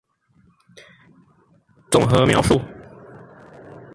綜合描述